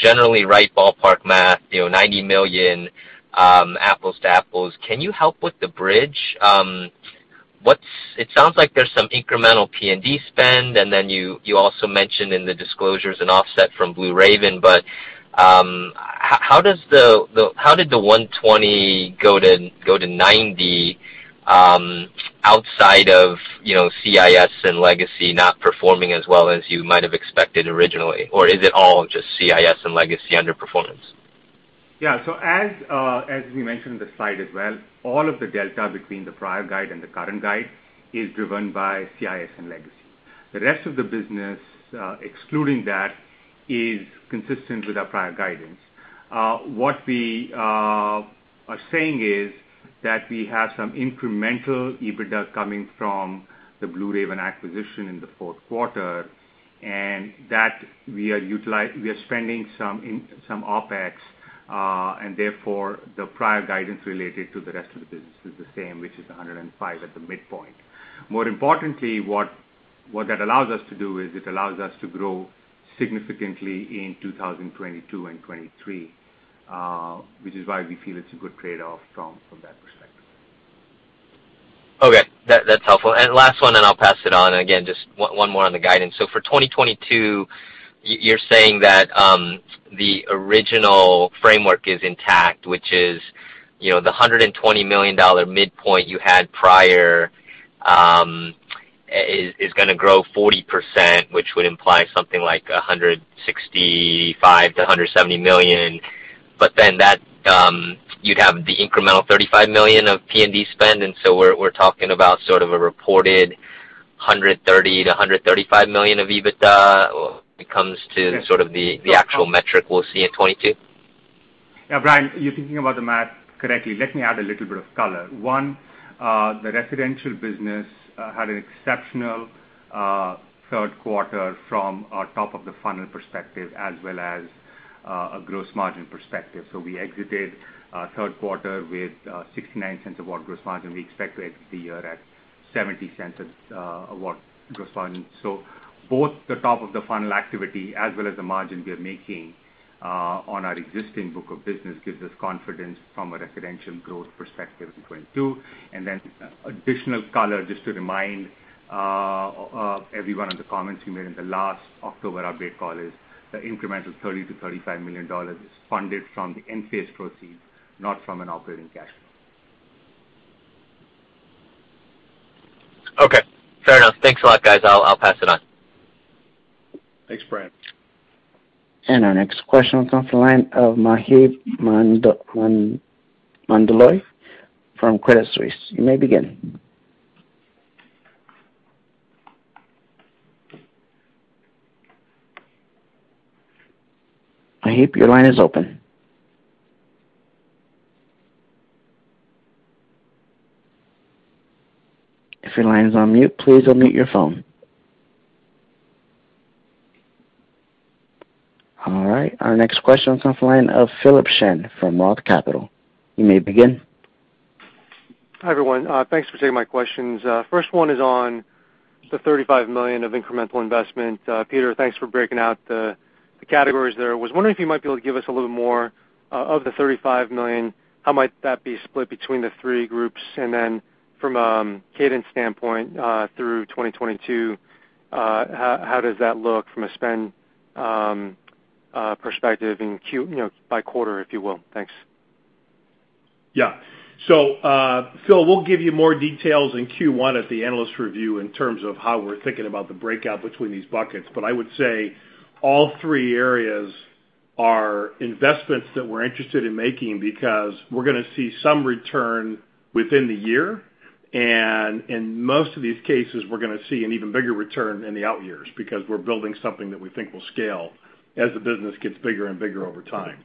generally right ballpark math, you know, $90 million apples to apples, can you help with the bridge? It sounds like there's some incremental R&D spend, and then you also mentioned in the disclosures an offset from Blue Raven. How did the $120 go to $90 outside of, you know, CIS and Legacy not performing as well as you might have expected originally? Is it all just CIS and Legacy underperformance? As we mentioned in the slide as well, all of the delta between the prior guide and the current guide is driven by CIS and Legacy. The rest of the business, excluding that, is consistent with our prior guidance. What we are saying is that we have some incremental EBITDA coming from the Blue Raven acquisition in the Q4, and that we are spending some OpEx. Therefore the prior guidance related to the rest of the business is the same, which is $105 at the midpoint. More importantly, what that allows us to do is it allows us to grow significantly in 2022 and 2023, which is why we feel it's a good trade-off from that perspective. Okay. That's helpful. Last one, then I'll pass it on. Again, just one more on the guidance. For 2022, you're saying that the original framework is intact, which is, you know, the $120 million midpoint you had prior is going to grow 40%, which would imply something like $165-$170 million. But then that you'd have the incremental $35 million of R&D spend, and so we're talking about sort of a reported $130-$135 million of EBITDA when it comes to sort of the actual metric we'll see in 2022? Yeah. Brian, you're thinking about the math correctly. Let me add a little bit of color. One, the residential business had an exceptional Q3 from a top of the funnel perspective as well as a gross margin perspective. We exited Q3 with $0.69 of what gross margin we expect to exit the year at $0.70 of what gross margin. Both the top of the funnel activity as well as the margin we are making on our existing book of business gives us confidence from a residential growth perspective in 2022. Then additional color, just to remind everyone on the comments we made in the last October update call is the incremental $30-$35 million is funded from the Enphase proceeds, not from an operating cash flow. Okay. Fair enough. Thanks a lot, guys. I'll pass it on. Thanks, Brian. Our next question comes from the line of Maheep Mandloi from Credit Suisse. You may begin. Maheep, your line is open. If your line is on mute, please unmute your phone. All right, our next question comes from the line of Philip Shen from Roth Capital. You may begin. Hi, everyone. Thanks for taking my questions. First one is on the $35 million of incremental investment. Peter, thanks for breaking out the categories there. I was wondering if you might be able to give us a little more of the $35 million, how might that be split between the three groups? From cadence standpoint through 2022, how does that look from a spend perspective, you know, by quarter, if you will. Thanks. Yeah. Phil, we'll give you more details in Q1 at the analyst review in terms of how we're thinking about the breakout between these buckets. I would say all three areas are investments that we're interested in making because we're going to see some return within the year. In most of these cases, we're going to see an even bigger return in the out years because we're building something that we think will scale as the business gets bigger and bigger over time.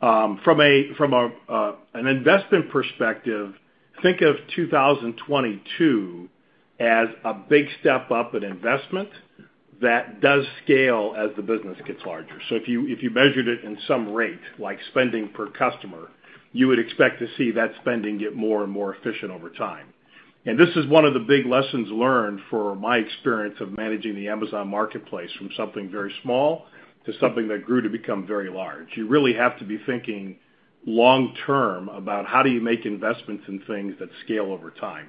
From an investment perspective, think of 2022 as a big step up in investment that does scale as the business gets larger. If you measured it in some rate, like spending per customer, you would expect to see that spending get more and more efficient over time. This is one of the big lessons learned from my experience of managing the Amazon Marketplace from something very small to something that grew to become very large. You really have to be thinking long term about how do you make investments in things that scale over time.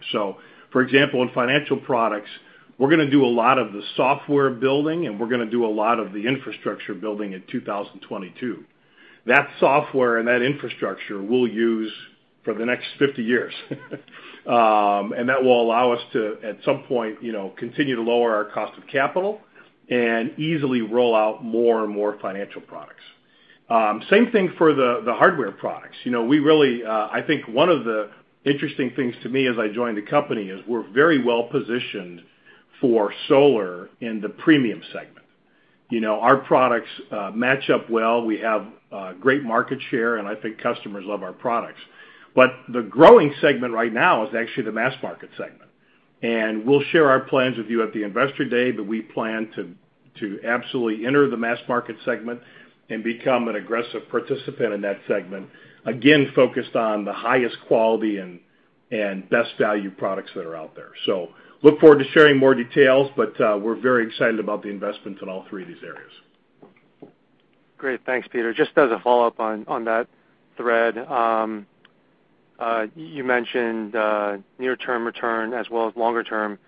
For example, in financial products, we're going to do a lot of the software building, and we're going to do a lot of the infrastructure building in 2022. That software and that infrastructure we'll use for the next 50 years. That will allow us to, at some point, continue to lower our cost of capital and easily roll out more and more financial products. Same thing for the hardware products. You know, we really, I think one of the interesting things to me as I joined the company is we're very well-positioned for solar in the premium segment. You know, our products match up well. We have great market share, and I think customers love our products. The growing segment right now is actually the mass market segment. We'll share our plans with you at the Investor Day, but we plan to absolutely enter the mass market segment and become an aggressive participant in that segment, again, focused on the highest quality and best value products that are out there. Look forward to sharing more details, but we're very excited about the investments in all three of these areas. Great. Thanks, Peter. Just as a follow-up on that thread. You mentioned near term return as well as longer term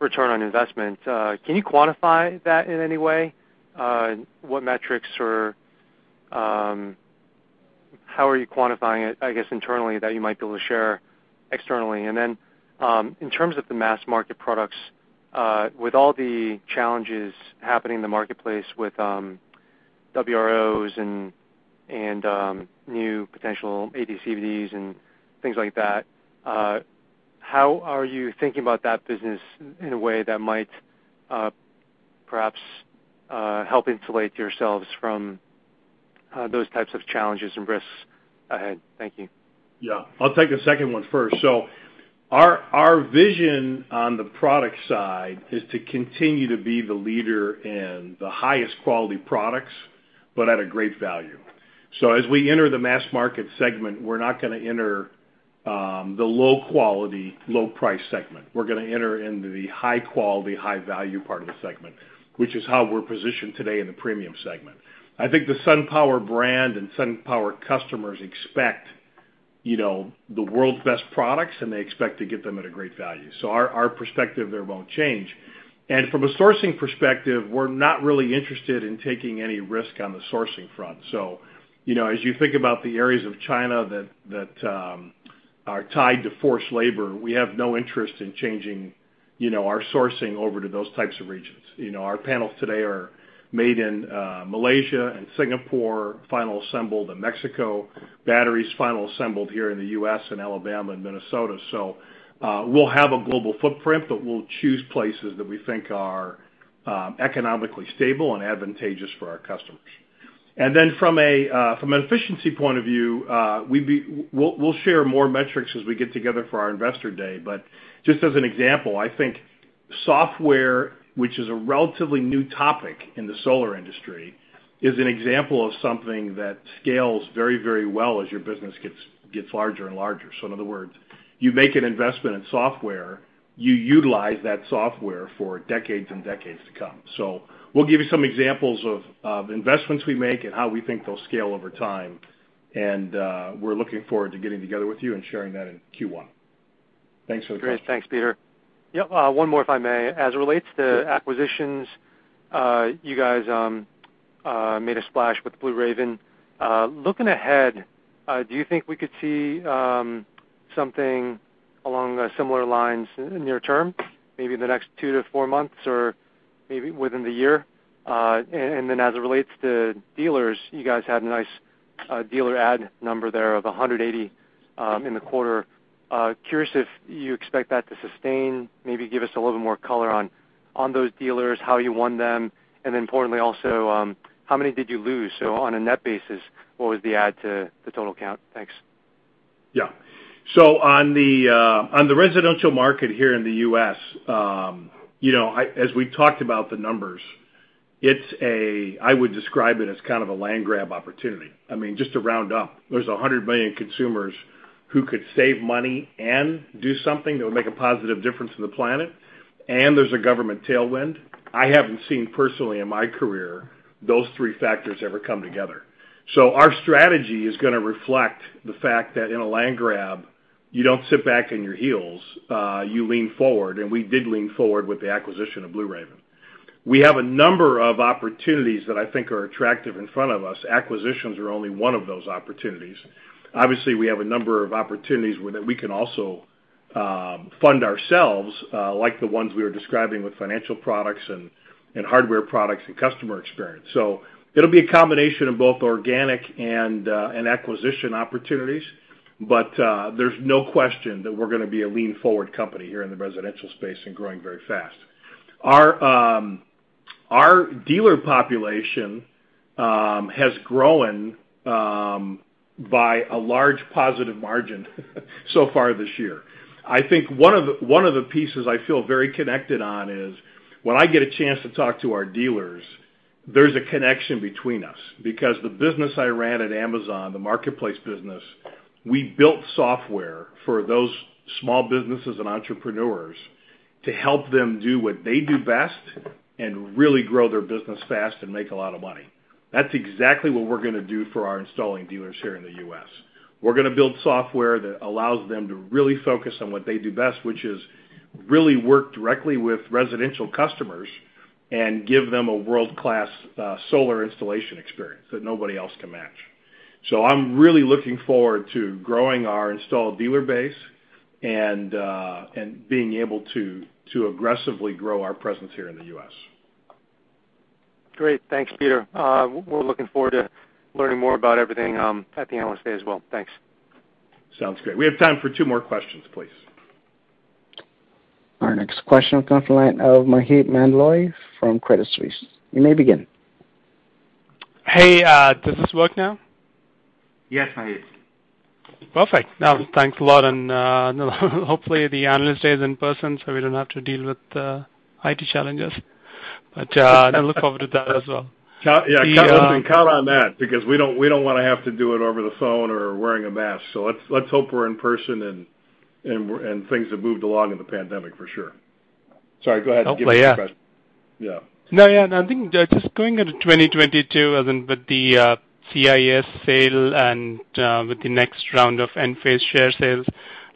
return on investment. Can you quantify that in any way? What metrics or how are you quantifying it, I guess, internally that you might be able to share externally? Then, in terms of the mass market products, with all the challenges happening in the marketplace with WROs and new potential AD/CVDs and things like that, how are you thinking about that business in a way that might perhaps help insulate yourselves from those types of challenges and risks ahead? Thank you. Yeah. I'll take the second one first. Our vision on the product side is to continue to be the leader in the highest quality products, but at a great value. As we enter the mass market segment, we're not going to enter the low quality, low price segment. We're going to enter in the high quality, high value part of the segment, which is how we're positioned today in the premium segment. I think the SunPower brand and SunPower customers expect, you know, the world's best products, and they expect to get them at a great value. Our perspective there won't change. From a sourcing perspective, we're not really interested in taking any risk on the sourcing front. You know, as you think about the areas of China that are tied to forced labor, we have no interest in changing, you know, our sourcing over to those types of regions. You know, our panels today are made in Malaysia and Singapore, final assembled in Mexico, batteries final assembled here in the U.S. and Alabama and Minnesota. We'll have a global footprint, but we'll choose places that we think are economically stable and advantageous for our customers. From an efficiency point of view, we'll share more metrics as we get together for our Investor Day. Just as an example, I think software, which is a relatively new topic in the solar industry, is an example of something that scales very, very well as your business gets larger and larger. In other words, you make an investment in software, you utilize that software for decades and decades to come. We'll give you some examples of investments we make and how we think they'll scale over time. We're looking forward to getting together with you and sharing that in Q1. Thanks for the question. Great. Thanks, Peter. Yep, one more, if I may. As it relates to acquisitions, you guys made a splash with Blue Raven. Looking ahead, do you think we could see something along the similar lines near term, maybe in the next two to four months or maybe within the year? And then as it relates to dealers, you guys had a nice- A dealer add number of 180 in the quarter. Curious if you expect that to sustain. Maybe give us a little more color on those dealers, how you won them, and importantly, also, how many did you lose? On a net basis, what was the add to the total count? Thanks. On the residential market here in the U.S., as we talked about the numbers, I would describe it as kind of a land grab opportunity. I mean, just to round up, there are 100 million consumers who could save money and do something that would make a positive difference to the planet, and there is a government tailwind. I have not seen personally in my career those three factors ever come together. Our strategy is going to reflect the fact that in a land grab, you do not sit back on your heels, you lean forward, and we did lean forward with the acquisition of Blue Raven. We have a number of opportunities that I think are attractive in front of us. Acquisitions are only one of those opportunities. Obviously, we have a number of opportunities where we can also fund ourselves like the ones we were describing with financial products and hardware products and customer experience. It'll be a combination of both organic and acquisition opportunities, but there's no question that we're going to be a lean forward company here in the residential space and growing very fast. Our dealer population has grown by a large positive margin so far this year. I think one of the pieces I feel very connected on is when I get a chance to talk to our dealers. There's a connection between us because the business I ran at Amazon, the marketplace business, we built software for those small businesses and entrepreneurs to help them do what they do best and really grow their business fast and make a lot of money. That's exactly what we're going to do for our installing dealers here in the U.S. We're going to build software that allows them to really focus on what they do best, which is really work directly with residential customers and give them a world-class solar installation experience that nobody else can match. I'm really looking forward to growing our installed dealer base and being able to aggressively grow our presence here in the U.S. Great. Thanks, Peter. We're looking forward to learning more about everything at the Analyst Day as well. Thanks. Sounds great. We have time for two more questions, please. Our next question comes from the line of Maheep Mandloi from Credit Suisse. You may begin. Hey, does this work now? Yes, Maheep. Perfect. Now, thanks a lot and hopefully the Analyst Day is in person, so we don't have to deal with IT challenges. I look forward to that as well. Yeah, you can count on that because we don't want to have to do it over the phone or wearing a mask. Let's hope we're in person and things have moved along in the pandemic for sure. Sorry, go ahead. Hopefully, yeah. Yeah. No, yeah. I think just going into 2022 as in with the CIS sale and with the next round of Enphase share sales,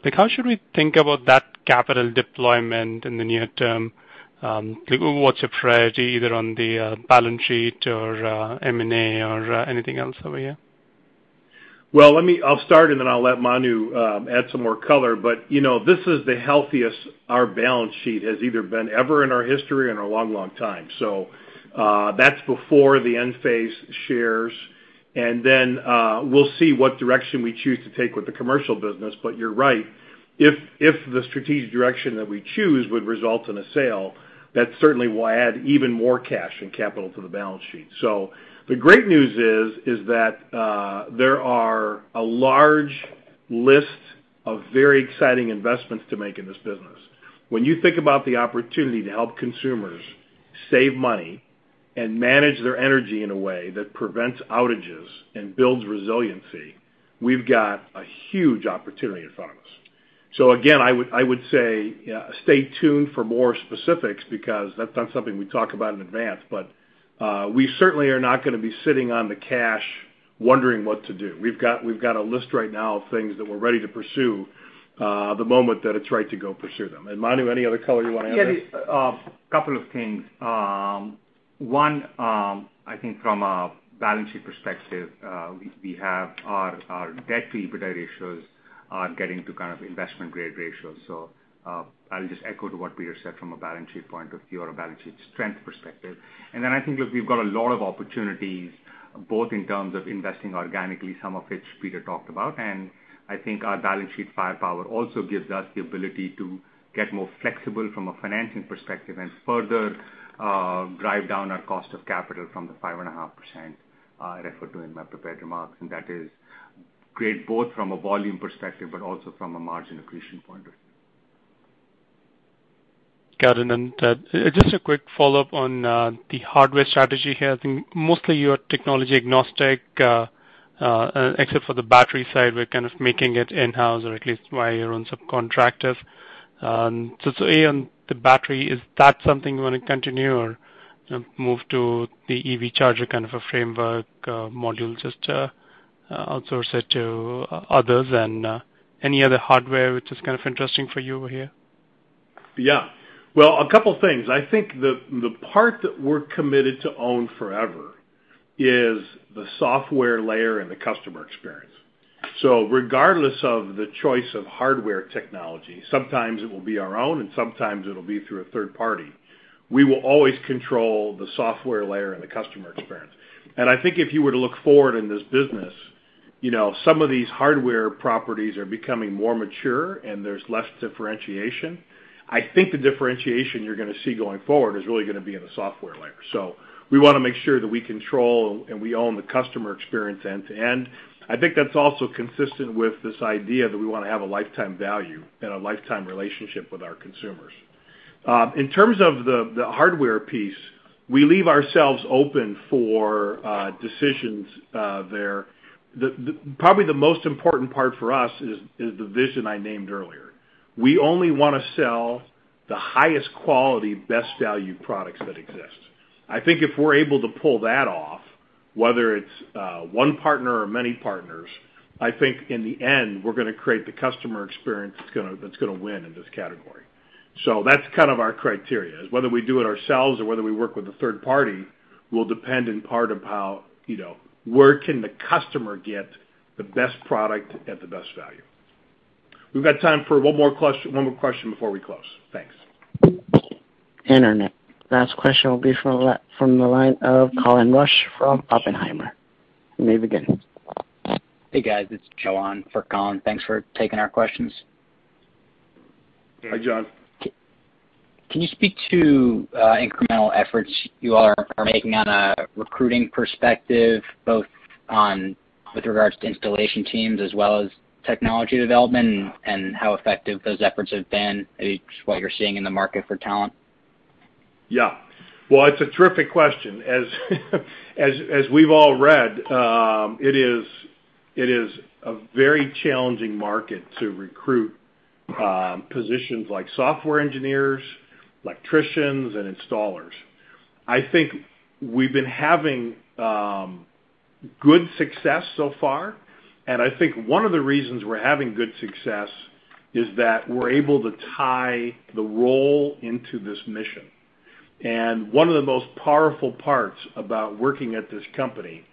like how should we think about that capital deployment in the near term? Like what's your priority either on the balance sheet or M&A or anything else over here? Well, I'll start, and then I'll let Manu add some more color. You know, this is the healthiest our balance sheet has either been ever in our history in a long, long time. That's before the Enphase shares. We'll see what direction we choose to take with the commercial business. You're right. If the strategic direction that we choose would result in a sale, that certainly will add even more cash and capital to the balance sheet. The great news is that there are a large list of very exciting investments to make in this business. When you think about the opportunity to help consumers save money and manage their energy in a way that prevents outages and builds resiliency, we've got a huge opportunity in front of us. Again, I would say stay tuned for more specifics because that's not something we talk about in advance. We certainly are not going to be sitting on the cash wondering what to do. We've got a list right now of things that we're ready to pursue the moment that it's right to go pursue them. Manu, any other color you want to add there? Yeah, there's a couple of things. One, I think from a balance sheet perspective, we have our debt to EBITDA ratios are getting to kind of investment-grade ratios. I'll just echo what Peter said from a balance sheet point of view or a balance sheet strength perspective. I think, look, we've got a lot of opportunities, both in terms of investing organically, some of which Peter talked about. I think our balance sheet firepower also gives us the ability to get more flexible from a financing perspective and further drive down our cost of capital from the 5.5% referred to in my prepared remarks. That is great both from a volume perspective, but also from a margin accretion point of view. Got it. Just a quick follow-up on the hardware strategy here. I think mostly you are technology agnostic, except for the battery side, where you're kind of making it in-house or at least via your own subcontractors. So A, on the battery, is that something you want to continue or, you know, move to the EV charger kind of a framework, module, just to outsource it to others? Any other hardware which is kind of interesting for you over here? Yeah. Well, a couple things. I think the part that we're committed to own forever is the software layer and the customer experience. Regardless of the choice of hardware technology, sometimes it will be our own, and sometimes it'll be through a third party. We will always control the software layer and the customer experience. I think if you were to look forward in this business, you know, some of these hardware properties are becoming more mature and there's less differentiation. I think the differentiation you're going to see going forward is really going to be in the software layer. We want to make sure that we control and we own the customer experience end to end. I think that's also consistent with this idea that we want to have a lifetime value and a lifetime relationship with our consumers. In terms of the hardware piece, we leave ourselves open for decisions there. Probably the most important part for us is the vision I named earlier. We only want to sell the highest quality, best value products that exist. I think if we're able to pull that off, whether it's one partner or many partners, I think in the end, we're going to create the customer experience that's going to win in this category. So that's kind of our criteria, is whether we do it ourselves or whether we work with a third party, will depend in part on how, you know, where can the customer get the best product at the best value. We've got time for one more question before we close. Thanks. Internet. Last question will be from the line of Colin Rusch from Oppenheimer. You may begin. Hey, guys. It's John for Colin. Thanks for taking our questions. Hi, John. Can you speak to incremental efforts you all are making on a recruiting perspective, both on with regards to installation teams as well as technology development and how effective those efforts have been, maybe just what you're seeing in the market for talent? Yeah. Well, it's a terrific question. As we've all read, it is a very challenging market to recruit positions like software engineers, electricians, and installers. I think we've been having good success so far, and I think one of the reasons we're having good success is that we're able to tie the role into this mission. One of the most powerful parts about working at this company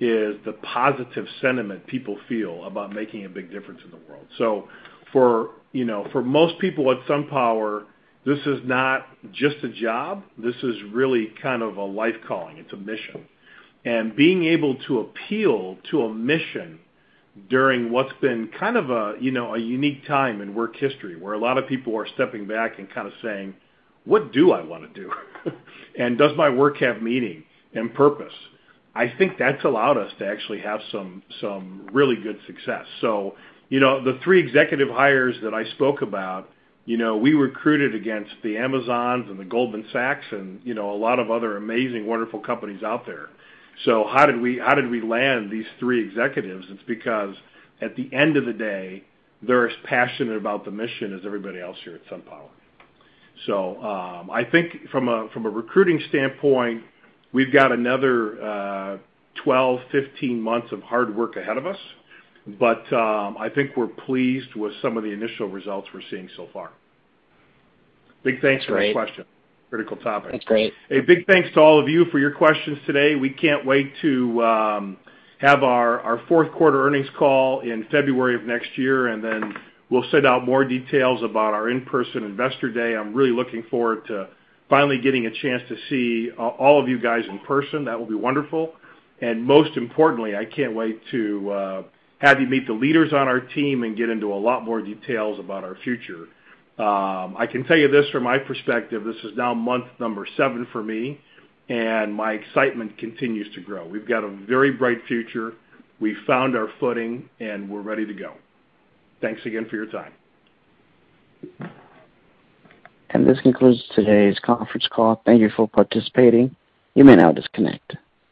is the positive sentiment people feel about making a big difference in the world. For, you know, for most people at SunPower, this is not just a job, this is really kind of a life calling. It's a mission. Being able to appeal to a mission during what's been kind of a, you know, a unique time in work history where a lot of people are stepping back and kind of saying, "What do I want to do?" And, "Does my work have meaning and purpose?" I think that's allowed us to actually have some really good success. You know, the three executive hires that I spoke about, you know, we recruited against the Amazon and the Goldman Sachs and, you know, a lot of other amazing, wonderful companies out there. How did we, how did we land these three executives? It's because at the end of the day, they're as passionate about the mission as everybody else here at SunPower. I think from a recruiting standpoint, we've got another 12, 15 months of hard work ahead of us, but I think we're pleased with some of the initial results we're seeing so far. Big thanks for this question. Great. Critical topic. That's great. A big thanks to all of you for your questions today. We can't wait to have our Q4 earnings call in February of next year, and then we'll send out more details about our in-person investor day. I'm really looking forward to finally getting a chance to see all of you guys in person. That will be wonderful. Most importantly, I can't wait to have you meet the leaders on our team and get into a lot more details about our future. I can tell you this from my perspective, this is now month number seven for me, and my excitement continues to grow. We've got a very bright future. We've found our footing, and we're ready to go. Thanks again for your time. This concludes today's conference call. Thank you for participating. You may now disconnect.